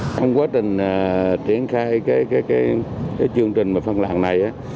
trong quá trình triển khai cái chương trình mà phân làng này